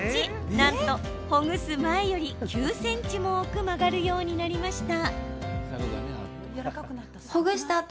なんと、ほぐす前より９ｃｍも多く曲がるようになりました。